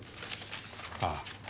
ああ。